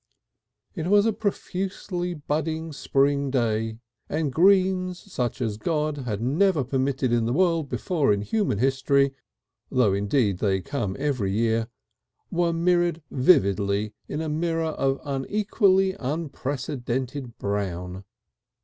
It was a profusely budding spring day and greens such as God had never permitted in the world before in human memory (though indeed they come every year), were mirrored vividly in a mirror of equally unprecedented brown.